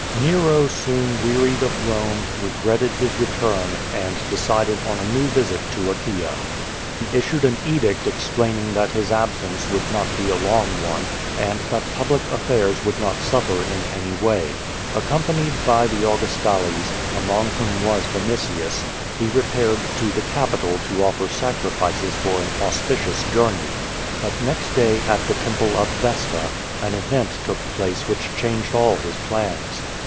Nero soon wearied of Rome, regretted his return, and de cided on a new visit to Acliaia. lie issued an edict explaining that his absence would not be a long one, and that public affairs would not suffer in any way. Accompanied by the Augustales, among whom was Vinitius, he repaired to the QUO VADIS. 237 Capitol to offer sacrifices for an auspicious journey. But next day at tlic temple of Vesta, an event took place which change<l all his plans.